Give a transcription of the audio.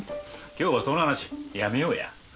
今日はその話やめようや。